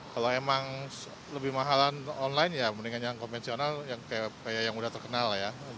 kalau memang lebih mahal online ya mendingan yang konvensional kayak yang sudah terkenal